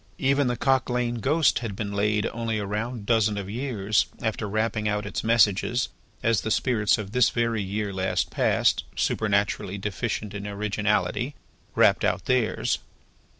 Even the Cock lane ghost had been laid only a round dozen of years, after rapping out its messages, as the spirits of this very year last past (supernaturally deficient in originality) rapped out theirs.